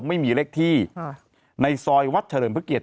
ไม่มีเลขที่ในซอยวัดเฉลิมพระเกียรติ